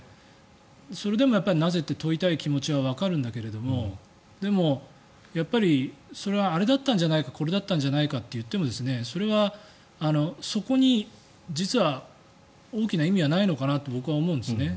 それでもなぜ？って問いたい気持ちはわかるんだけどでも、やっぱりそれはあれだったんじゃないかこれだったんじゃないかと言ってもそれはそこに実は大きな意味はないのかなと僕は思うんですね。